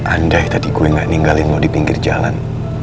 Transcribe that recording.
andai tadi gue gak ninggalin mau di pinggir jalan